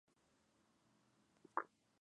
Louis fue enviado a San Antonio.